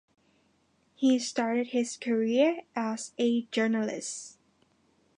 He started his career as a journalist.